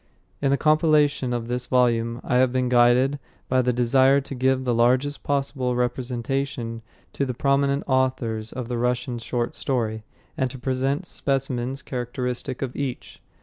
In the compilation of this volume I have been guided by the desire to give the largest possible representation to the prominent authors of the Russian short story, and to present specimens characteristic of each.